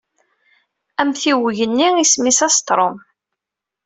Amtiweg-nni isem-nnes Asturn.